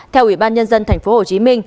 theo ủy ban nhân dân tp hcm